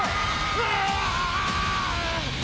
うわ！